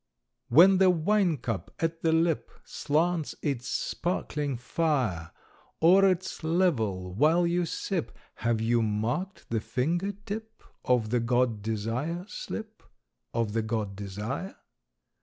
_ When the wine cup at the lip Slants its sparkling fire, O'er its level, while you sip, Have you marked the finger tip Of the god DESIRE slip, Of the god DESIRE?